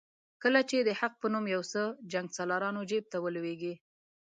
کله چې د حق په نوم یو څه جنګسالارانو جیب ته ولوېږي.